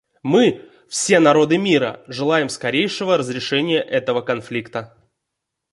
Мы, все народы мира, желаем скорейшего разрешения этого конфликта.